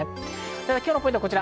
今日のポイントこちら。